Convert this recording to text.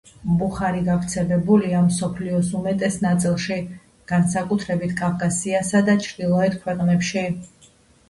ბუხარი გავრცელებულია მსოფლიოს უმეტეს ნაწილში, განსაკუთრებით კავკასიასა და ჩრდილოეთის ქვეყნებში.